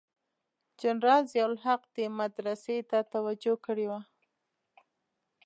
جنرال ضیأ الحق دې مدرسو ته توجه کړې وه.